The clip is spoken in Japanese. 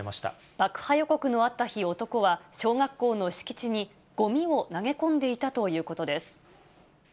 爆破予告のあった日、男は小学校の敷地にごみを投げ込んでいたということです。